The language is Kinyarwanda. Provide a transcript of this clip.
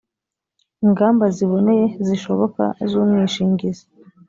Ingamba ziboneye zishoboka z umwishingizi